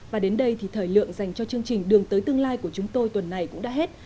và đến đây thì thời lượng dành cho chương trình đường tới tương lai của chúng tôi tuần này cũng đã hết